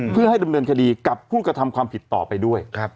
เพื่อให้ดำเนินคดีกับผู้กระทำความผิดต่อไปด้วย